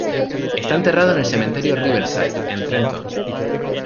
Está enterrado en el cementerio Riverside, en Trenton.